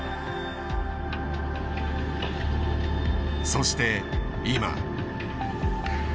そして今。